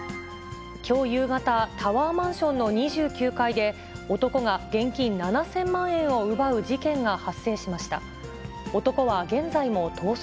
きょう夕方、タワーマンションの２９階で、男が現金７０００万円を奪う事件が発生しました。